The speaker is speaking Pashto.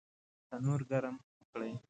تنور ګرم کړئ